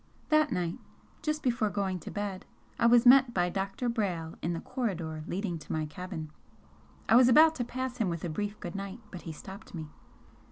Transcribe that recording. That night, just before going to bed, I was met by Dr. Brayle in the corridor leading to my cabin. I was about to pass him with a brief good night, but he stopped me.